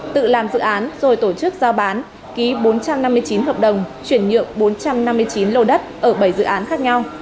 tự làm dự án rồi tổ chức giao bán ký bốn trăm năm mươi chín hợp đồng chuyển nhượng bốn trăm năm mươi chín lô đất ở bảy dự án khác nhau